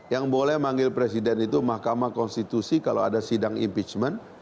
yang boleh manggil presiden itu mahkamah konstitusi kalau ada sidang impeachment